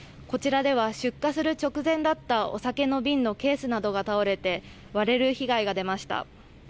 こちらでは出荷する直前だったお酒の瓶のケースなどが倒れて割れる被害が出ました。